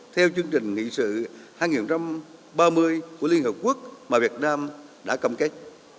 theo chương trình nghị sự hai nghìn ba mươi của liên hợp quốc mà việt nam đã cam kết